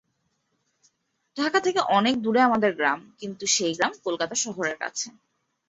ঢাকা থেকে অনেক দূরে আমাদের গ্রাম, কিন্তু সেই গ্রাম কলকাতা শহরের কাছে।